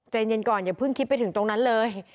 เย็นก่อนอย่าเพิ่งคิดไปถึงตรงนั้นเลย